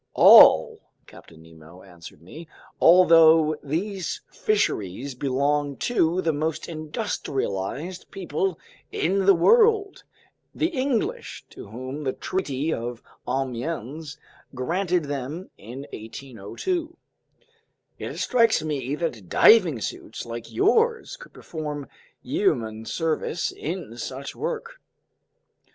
"All," Captain Nemo answered me, "although these fisheries belong to the most industrialized people in the world, the English, to whom the Treaty of Amiens granted them in 1802." "Yet it strikes me that diving suits like yours could perform yeoman service in such work."